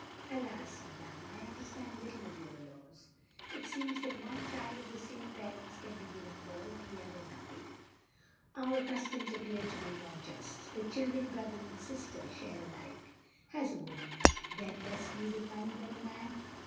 "Alas, madame, I understand little of your laws. It seems that one child of the same parents can be given all, and another nothing. Our customs appear to me more just. The children, brother and sister, share alike. Has a woman then less need of money than a man?